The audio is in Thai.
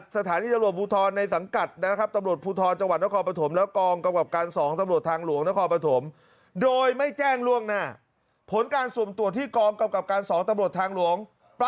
ส่วนการส่วนตรวจที่กลองที่กำกับการสองท่างหลวง